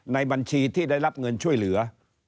ในบัญชีที่ได้รับเงินช่วยเหลือ